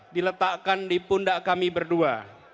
diletakkan di pundak kami berdua